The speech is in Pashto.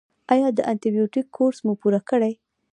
ایا د انټي بیوټیک کورس مو پوره کړی؟